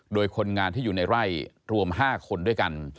โดยคนงานที่อยู่ในไร่รวม๕คนด้วยกัน